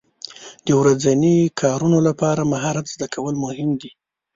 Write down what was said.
د ورځني کارونو لپاره مهارت زده کول مهم دي.